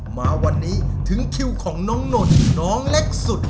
มาวันนี้ถึงคิวของน้องนนท์น้องเล็กสุด